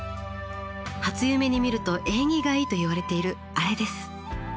初夢に見ると縁起がいいといわれているあれです。